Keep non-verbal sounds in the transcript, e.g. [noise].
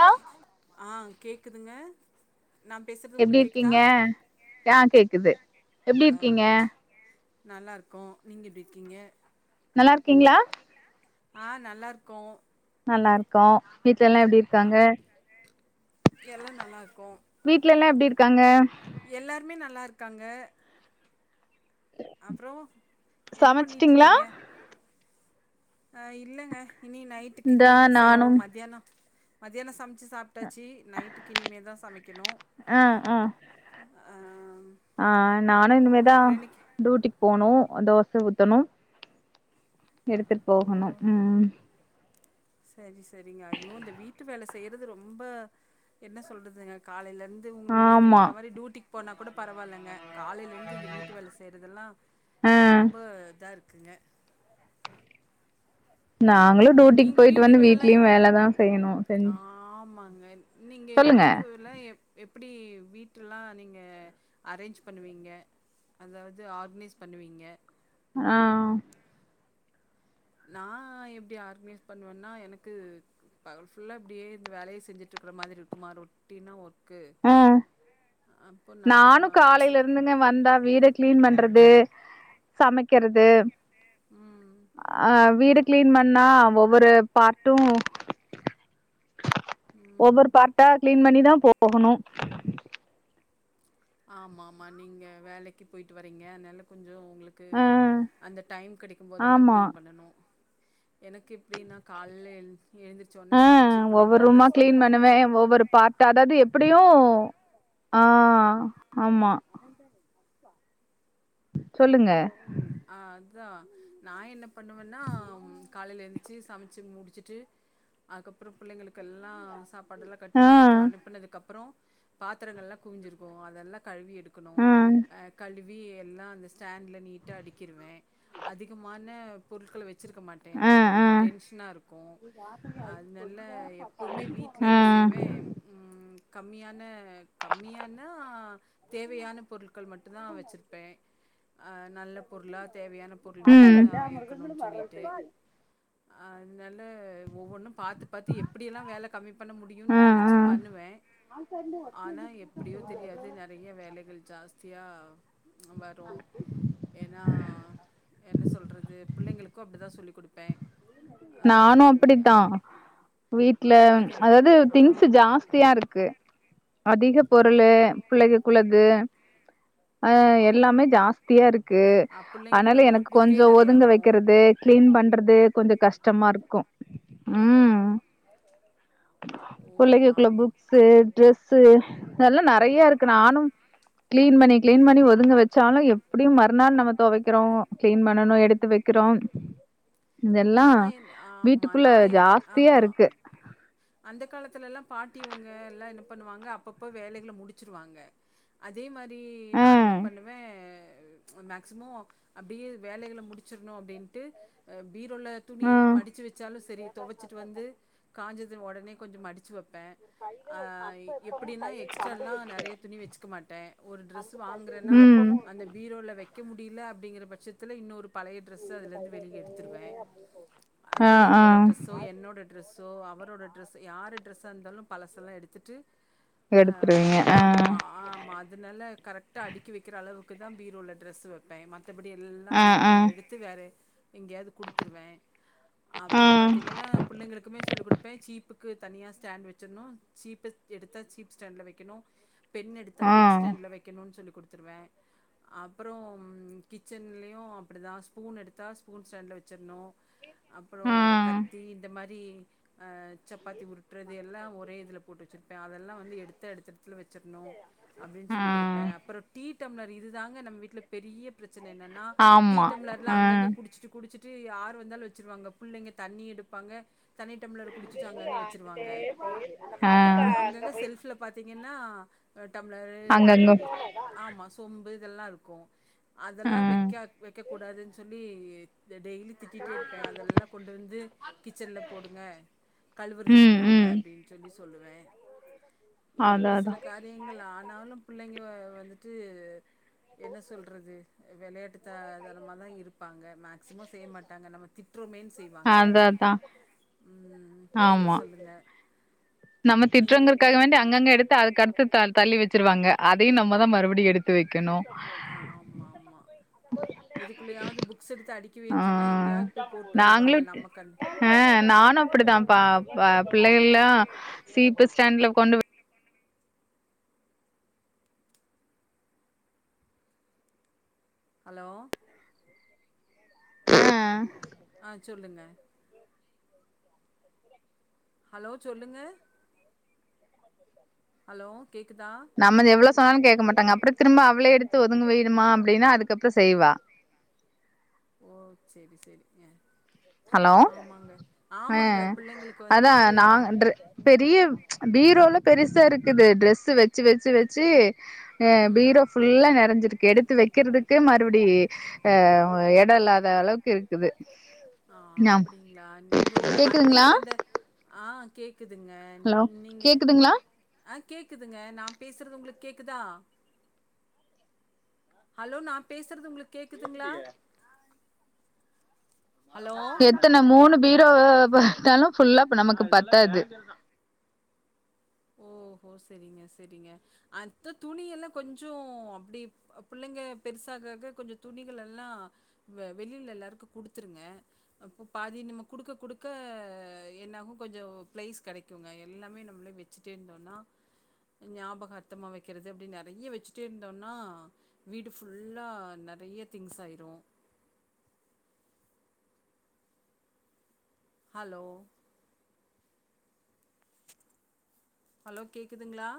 hello ஆஹ் கேக்குதுங்க நா பேசுறது எப்படி உங்களுக்கு கேக்குதா இருக்கீங்க ஏ கேக்குது எப்படி இருக்கீங்க நல்லா இருக்கோம் நீங்க எப்பிடி இருக்கீங்க நல்லா இருக்கீங்களா ஆஹ் நல்லா இருக்கோம் நல்லா இருக்கோம் வீட்ல எல்லாம் எப்படி இரு இருக்காங்க எல்லா நல்லாருக்கோ வீட்டுல எல்லாம் எப்படி இருக் இருக்காங்க எல்லாருமே நல்லா இருக்காங்க அப்புறம் என்ன பண்ணிட்டு சமச்சிட்டீங்களா இருக்கீங்க அஹ் இல்லைங்க இனி நைட்டுக்கு இந்தா இனிமே தான் நானும் செய்யணும் மத்தியானம் மதியானம் சமச்சு சாப் முடிஞ்ச்சி நைட்டுக்கினிமே தான் சமைக்கணும் ஆஹ் நானும் அப்றோ இனிமேதான் இன்னைக்கு டூட்டிக்கு போனும் தோச ஊத்தணும் எடுத்துட்டு போகணு ஓ உம் சரி சரிங்க ஐயோ இந்த வீட்டு வேல செய்யறது ரொம்ப என்ன சொல்றதுங்க காலைல வந்து உ நீங் ஆமா உங்கள மாரி டியூட்டிக்கு போனா கூட பரவால்லங்க காலெலர்ந்து இந்த வீட்டு வேல செய்றதெல்லா ஆ ரொம்ப இதாருக்கு இக்குங்க நாங்களு டுட்டிக்கு போய்ட்டு வந்து வீடுகளெல்லா எ வீட்லியு வேலதா செயணு செஞ் இங்கள் நீங்க சொல்லுங்க வீட்டு வேல எப் அப்டி வீட்லலா நீங்க அரேஞ்ச் பண்ணுவீங்க அதாவுது ஆர்கனைஸ் பண்ணுவீங்க ஆஹ் நா எப்டி ஆர்கனைஸ் பண்ணுவேன்னா எனக்கு ஃபுல்லா இப்டியே இந்த வேலயை செஞ்சுட்டு இருக்கற மாதிரி இருக்குமா ரொட்டின்னா ஒர்க் அ நா நானு காலையில இருந்துங்க வந்தா வீடு கிளீன் பண்றது சமைக்கறது ம் அ வீடு கிளீன் பண்ணா ஒவ்வொரு பார்ட்டூ ம் ஒவ்வொரு பார்டா கிளீன் பண்ணிதா போ போகணு ஆமா ஆமா நீங்க வேலைக்கு போயிட்டு வரீங்க அதனால கொஞ்சோ உங்களுக்கு ஆ அந்த டைம் கிடைக்கும்போதெல்லா ஆமா கிளீன் பண்ணனு எனக்கு இப்டின்னா கால எழுந்திரச்ச உடனே ஆ சமைச்சு ஒவ்வொரு பிள்ளைங்களால்லா ரூமா ஸ்கூலுகு அப்டியு ஆ ஆமா சொல்லுங்க அ அதா நா என்ன பண்ணுவன்னா காலையில எழுந்திச்சு சமைச்சு முடிச்சுட்டு அதுக்கப்புற பிள்ளைங்களுக்கு எல்லா சாப் சாப்பாடுல கட்டி ஆ கொடுத்து அனுப்புனதுக்கப்புரோ பாத்திரங்கல்லா குவிஞ்சிருக்கு அதெல்லா கழுவி எடுக்கணு ஆ கழுவி வி எல்லா அந்த ஸ்டாண்ட்ல நீ நீட்டா அடிக்கிறுவே அதிகமான பொருட்கள வச் வச்சுருக்க மாட்டே ஆ எனக்கு அது ஆ கொஞ்சம் டென்ஷனா இருக்கு அதல எப்போவுமே வீட்ல ஆ என்ன செய்வே ம் கம்மியான கம்மியானா தேவையான பொருட்கள் மட்டும் தா வச்சிருப்பே அ நல்ல எல்லா தேவையான பொருள் மட்டு தா ம் இருக்கணும் சொல்லிட்டு அ அதனால ஒவ்வொன்னு பாத்து பாத்து எப்டியெல்லா வேல கம்மி பண்ண முடியும் ஆ நெனச்சி ஆ பண்ணுவே ஆனா எப்டியோ தெரியாது நறைய வேலைகள் ஜாஸ்தியா [inaudible] பச் வரு ஏன்னா என்ன சொல்றது பிள்ளைங்களுக்கும் அப்டிதா சொல்லிக் குடுப்பே ஆ நானு அப்புடித்தா ஆமா வீட்ல பிள்ளைங்களுக்கு அதாவது ஆ திங்ஸ்சு ஜாஸ்தியாருக்கு அதிக ஓ பொருளு பிள்ளைக குள்ளது அ ஆமாமா எல்லாமே ஜாஸ்தியா இருக்கு ஆ பிள்ளைங்களுக்குள்ள அதனால நோட் எனக்கு புக்கே கொஞ்சோ நெறையா ஒதுங்க இருக்கு வெக்கிறது கிளீன் பண்றது கொஞ்சோ கஷ் ச்சம்மா இருக்கும் ம் ஓ புள்ளைககுள்ள ஆமா புக்ஸ்சு ட்ரெஸ் ஸு நல்லா நறைய இருக்கு நானும் கிளீன் பண்ணி கிளீன் பண்ணி ஒதுங்க வெச்சாலும் எப்புடியும் மறுநாள் நம்ம துவைக்கிறோ கிளீன் பண்ணணு எடுத்து வெக்கிறோம் இதெல்லா நா என் ஆமா வீட்டுக்குள்ள நா எ ஜாஸ்தியா இருக்கு லெலா பாட்டி இவுங்க எல்லா என்ன பண்ணுவாங்க அப்பப்ப வேலைகள முடிச்சிருவாங்க அதே மாரி நா என்ன அ பண்ணுவே மேக்சிமோ அப்டியே வேலைகள முடிச்சர்ணு அப்டின்ட்டு ல துணி கம்பு மடிச்சு வெச்சாலு செரி தொவச்சிட்டு வந்து காஞ்சது ஒடனே கொஞ்ச மடிச்சு வெப் பே அ எப்டினா எக்ஸ்டாலா நெறைய துணி வெச்சிக்க மாட்ட ஒரு டிரஸ் வாங்குறனா எதுவு அந்த இருக்கணு பீரோல வெக்க முடில அப்டிங்ற பட்சத்தில இன்னொரு பழைய டிரஸ்ச அதுல இருந்து வெளிய எடு வ ஆ ஆ பிள்ளைங்களோட டிரெஸ்ஸோ என்னோட டிரெஸ் ஸோ அவரோட ட்ரெஸ் யாரு ட்ரெஸ்ஸா இருந்தாலு பழசெல்லா எடுத்துட்டு அ எடுத்துருவீங்க ஆ ஆம்மா ஆமா அதுனால கரெக்டா அடுக்கி வெக்கிற அளவுக்குதா பீரோல ட்ரஸ் வெப்பே மத்தபடி ஆ எல்லாம் ஆ நா எடுத்து வேற எங்கயாது குடுத்துருவே ஆ அப்ற பாத்திங்கனா புள்ளைங்களுக்குமே சொல்லி குடுப்பே சீப் புக்கு தனியா ஸ்டாண்ட் வெச்சிரணு சீப்ப எடுத்தா சீப் ஸ்டாண்ட்ல வெக்கணு பென் எடுத்தா ஆ பென் ஸ்டாண்ட்ல வெக்கணுன் சொல்லி குடுத்துருவே அப்புற கிச்சன்லயு அப்படிதா ஸ்பூன் எடுத்தா ஸ்பூ ன் ஸ்டாண்ட்ல வெச்சர்ணு அப்பற ஆ கத்தி இந்த மாரி ஆ சப் பாத்தி உருட்டறது எல்லா ஒரே இதுல போட்டு வெச்சுரு அதெல்லா வந்து எடுத்தா எடுத்த எடத்துல வெச்சர்ணு அப்டின் ஆ சொல்லி குடுப்பே அப்புற டீ டம்ளர் இதுதாங்க நம்ம வீட்ல பெரியப் ப்ரச்சன என்னன்னா டீ ஆமா டம்ளர்லா ஆ அங்கங்கக் சு குடிச்சிட்டு யாரு வந்தாலூ வச்சிருவாங்க புள்ளைங்க தண்ணி எடுப்பாங்க தண்ணி டம்ளர குடிச்சிட்டு அங்கங்க வச்சுருவாங்க ஆ அப்றோ அங்கங்க செல்ஃப்ல பாத்தீங்கன்னா அ டம்ளரு வ அங்கங்க ஆமா சொம்பு இதெல்லா இருக்கூ ஆ அதெல்லா வெக்காக் வெக்ககூடாதுன்னு சொல் பி ஏத் த டெய்லி திட்டிட்டேருப்பே அதல்லா கொண்டு வந்து கிச்சன்ல போடுங்க கழுவுறதுக்கு ம் போடுங்க ம் அப்டின்னு சொல்லி சொல்லுவே அதா இப்டி அதா சில காரியங்கள் ஆனாலூ பிள்ளைங்க வந்துட்டு என்ன சொல்றது வெளையாட்டு தா தனமாதா இருப் பாங்க மேக்சிமோ செய்ய மாட்டாங்க நம்ம திட்றோமேன்னு செய்வாங்க அதா அதா ம் நீங்க ஆமா சொல்லுங்க நம்ம நீங்க எப்டி திட்டுறோங்கிறதுக்காக வேண்டி யாராச்சு அங்கங்க எடுத்து அதுக்கடுத்து த தள்ளி வச்சிருவாங்க அதையூ நம்ம தா மறுபடியூ எடுத்து வெக்கணூ ஆமா ஆமா எதுக்குள்ளயாவது புக்ஸ் எடுத்து அடிக் ஆ நாங்ளுட் நம்ம கண் ஆ நானூ அப்டிதாம்பா வ அ பிள்ளைகள்லா சீப்பு ஸ்டாண்ட்ல கொண்டு போ ஹலோ ஆ ஆ சொல்லுங்க ஹலோ சொல்லுங்க ஹலோ கேக்குதா நம்மது எவ்ளோ சொன்னால கேக்க மாட்டாங்க அப்றோ திரும்ப அவ்ளே எடுத்து து ஒதுங்க வைடிமானா அப்டின்னா அதுக்கப்றோ செய்வா ஓ செரி செரி அ ஹலோ ஆ பிள்ளைங்களுக்கு அதா வந்துட்டு நா ஆ, ட்ர் பெரிய பீரோலா பெருசாருக்குது ட்ரெஸ்ஸூ வச்சு வச்சு வச்சு ஆ ம் பீரோ ஃபுல்லா நெறஞ்சிருக் கெடுத்து வெக்கிறதுக்கு மறுப்டி ஆ எடோ இல்லாத அளவுக்கு இருக்குது ஆ ஆமா அப்படிங்ளா நீங்க ஒன்னு பண்ணுங்க கேக்குதுங்களா அந்த ஆ குதுங்க ஹலோ நீங்க கேக்குதுங்களா அ கேக்குதுங்க நா பேசுறது உங்களுக்கு கேக்குதா ஹலோ நா பேசுறது உங்களுக் கேக்குதுங்களா ஹலோ எத்தன மூணு பீரோவு தளம் ஃபுல்லா இப்ப நமக்கு பத்தாது ஓஹோ செரிங்க செரிங்க அந்த துணி எல்லா கொஞ்ச அப்டி பிள்ளைங்க பெருசாகாக கொஞ்ச துணிகள்ல்லா வெளில எல்லாருக்கு குடுத்துருங்க அப்போ பாதி நம்ம குடுக்க குடுக்க அ என்னாகு கொஞ்ச பிளைஸ் கிடைக்குங்க எல்லாமே நம்மளே வச் வச்சுட்டே இருந்தோம்னா ஞாபகார்த்தமா வக்கிறது அப்டி நெறைய வச்சுட்டே இருந்தோம்னா வீடு ஃபுல்லா நெறைய திங்ஸ் ஆயிரு ஹலோ ஹலோ கேக்குதுங்களா